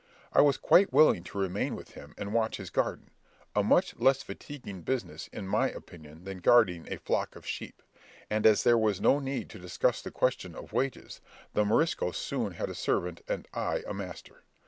I was quite willing to remain with him and watch his garden,—a much less fatiguing business in my opinion than guarding a flock of sheep; and as there was no need to discuss the question of wages, the Morisco soon had a servant and I a master.